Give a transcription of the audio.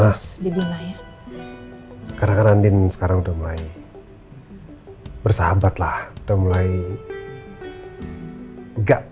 terus dibina ya karena andin sekarang udah mulai bersahabat lah udah mulai nggak